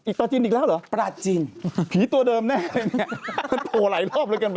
อีกตัวจินอีกแล้วเหรอประจินพีธรรมเดิมแน่โทรหลายรอบเหลือกัน